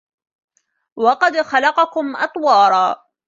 وَقَد خَلَقَكُم أَطوارًا